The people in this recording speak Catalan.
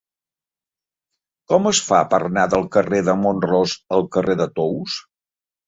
Com es fa per anar del carrer de Mont-ros al carrer de Tous?